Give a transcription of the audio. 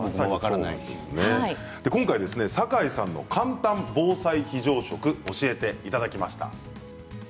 サカイさんの簡単防災非常食を教えていただきました。